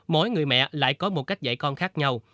mỗi người mẹ lại có một cách dạy con khác nhau